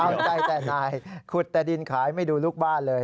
เอาใจแต่นายขุดแต่ดินขายไม่ดูลูกบ้านเลย